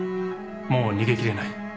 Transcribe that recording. もう逃げ切れない。